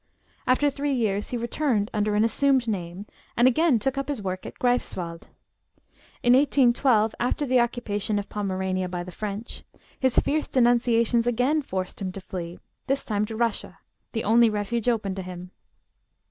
After three years he returned under an assumed name, and again took up his work at Greifswald. In 1812, after the occupation of Pomerania by the French, his fierce denunciations again forced him to flee, this time to Russia, the only refuge open to him.